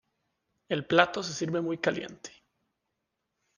El plato se sirve muy caliente.